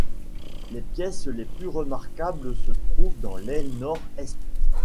Les pièces les plus remarquables se trouvent dans l'aile nord-est.